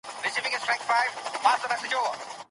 د دلارام په بازار کي د لاسي صنایعو هټۍ هم سته.